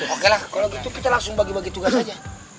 oke lah kalau gitu kita langsung bagi bagi tugas saja